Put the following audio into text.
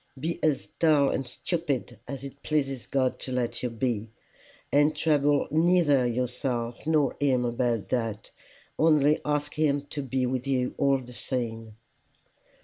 Be as dull and stupid as it pleases God to let you be, and trouble neither yourself nor him about that, only ask him to be with you all the same."